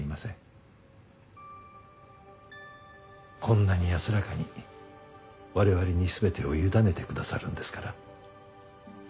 こんなに安らかに我々に全てを委ねてくださるんですから。